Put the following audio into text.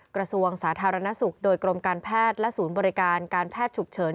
กระทรวงสาธารณสุขโดยกรมการแพทย์และศูนย์บริการการแพทย์ฉุกเฉิน